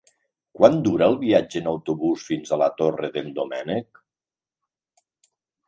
Quant dura el viatge en autobús fins a la Torre d'en Doménec?